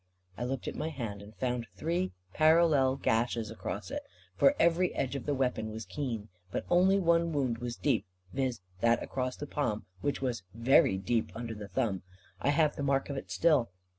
I looked at my hand, and found three parallel gashes across it, for every edge of the weapon was keen. But only one wound was deep, viz. that across the palm, which was very deep under the thumb. I have the mark of it still.